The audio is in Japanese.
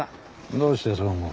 どうしてそう思う。